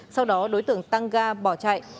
sau đó đối tượng tăng ga bỏ chạy